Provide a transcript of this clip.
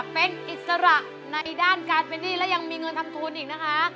เป็นอิสระในด้านการเป็นหนี้และยังมีเงินทำทุนอีกนะคะ